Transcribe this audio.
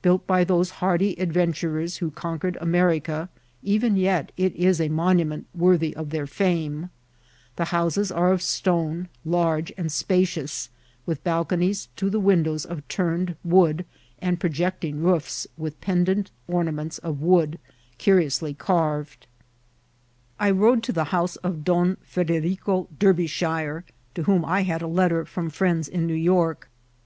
Built by those hardy adventurers who con* <pi«red America, eren yet it is a monument wcnrthy of tluir £une« The houses are of stcme, large and spm* cions, wkh balconies to the windows of turned wood^ and projecting roofii, with pendent ornaments of wood eacionsly carved* I rode to the house of Don Frederico Derbyshire, to vrhom I had a letter from friends in New Yoi±.